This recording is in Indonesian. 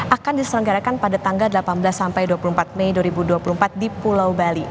akan diselenggarakan pada tanggal delapan belas sampai dua puluh empat mei dua ribu dua puluh empat di pulau bali